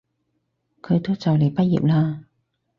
佢都就嚟畢業喇